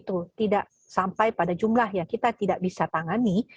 supaya kasus itu tidak sampai pada jumlah yang kita tidak bisa tangani